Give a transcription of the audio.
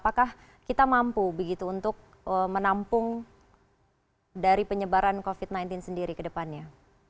apakah kita mampu begitu untuk menampung dari penyebaran covid sembilan belas sendiri ke depannya